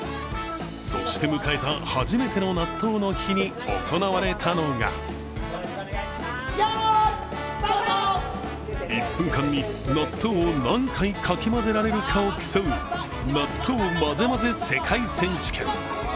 そして迎えた初めての納豆の日に行われたのが１分間に納豆を何回かき混ぜられるかを競う納豆まぜまぜ世界選手権。